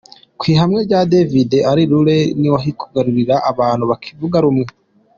Ku ihame rya Divide and Rule ntiwakwigarurira abantu bakivuga rumwe.